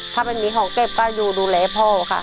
ถ้าไม่มีของเก็บก็อยู่ดูแลพ่อค่ะ